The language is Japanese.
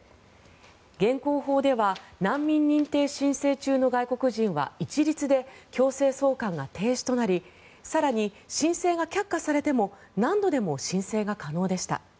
現行法では難民認定申請中の外国人は一律で強制送還が停止となり更に、申請が却下されても何度でも申請が可能でした。